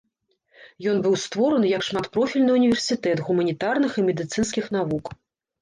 Ён быў створаны як шматпрофільны універсітэт гуманітарных і медыцынскіх навук.